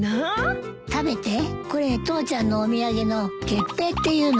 これ父ちゃんのお土産の月餅っていうの。